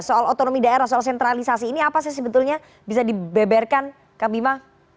soal otonomi daerah soal sentralisasi ini apa sih sebetulnya bisa dibeberkan kang bima